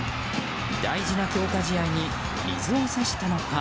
大事な強化試合に水を差したのか。